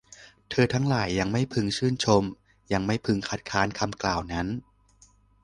เธอทั้งหลายยังไม่พึงชื่นชม ยังไม่พึงคัดค้านคำกล่าวนั้น